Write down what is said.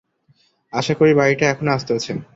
আশা করি বাড়িটা এখনো আস্ত আছে।